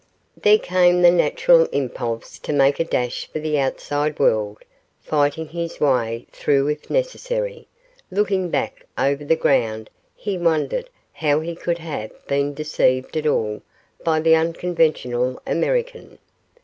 There came the natural impulse to make a dash for the outside world, fighting his way through if necessary. Looking back over the ground, he wondered how he could have been deceived at all by the unconventional American.